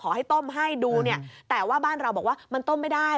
ให้ต้มให้ดูเนี่ยแต่ว่าบ้านเราบอกว่ามันต้มไม่ได้